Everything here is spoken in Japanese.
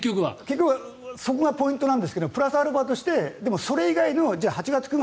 そこがポイントなんですがプラスアルファとしてそれ以外の８月、９月